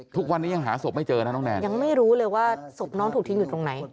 ทุกวันนี้ยังหาศพไม่เจอนะน้องแนนยังไม่รู้เลยว่าศพน้องถูกทิ้งอยู่ตรงไหน